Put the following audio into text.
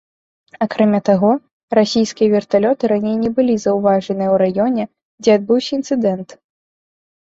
Акрамя таго, расійскія верталёты раней не былі заўважаныя ў раёне, дзе адбыўся інцыдэнт.